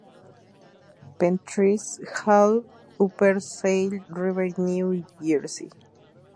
Prentice Hall, Upper Saddle River New Jersey.